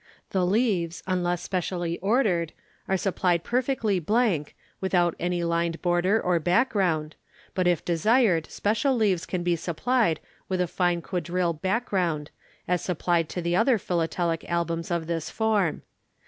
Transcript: The leaves, unless specially ordered, are supplied perfectly blank, without any lined border or background, but if desired special leaves can be supplied with a fine quadrillé background, as supplied to the other Philatelic Albums of this form.